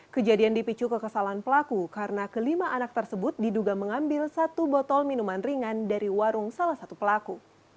kejadian dipicu kekesalan pelaku karena kelima anak tersebut diduga mengambil satu botol minuman ringan dari warung salah satu pelaku